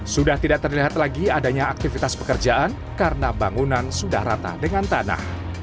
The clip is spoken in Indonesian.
sudah tidak terlihat lagi adanya aktivitas pekerjaan karena bangunan sudah rata dengan tanah